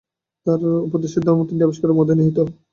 তাঁহার উপদিষ্ট ধর্ম তিনটি আবিষ্কারের মধ্যে নিহিত।